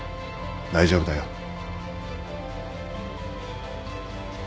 大丈夫だよ。